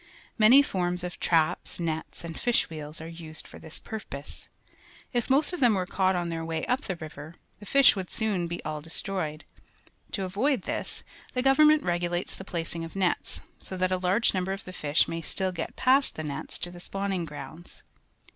Many forms of traps, nets, and fish wheels are used for this purpose. If most of them were caught on their way up the river, the fi.sh would soon all be destroyed. To avoid this, the govern ment regulates the placing of nets, so that a large number of the fish may still get past the nets to the spa\\'ning grounds.